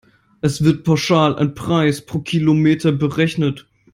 Es wird pauschal ein Preis pro Kilometer berechnet.